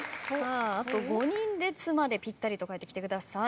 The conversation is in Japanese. あと５人で「つ」までぴったりと帰ってきてください。